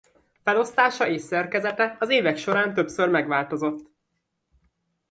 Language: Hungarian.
Felosztása és szerkezete az évek során többször megváltozott.